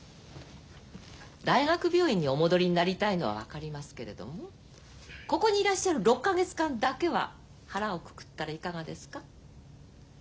大学病院にお戻りになりたいのは分かりますけれどもここにいらっしゃる６か月間だけは腹をくくったらいかがですか。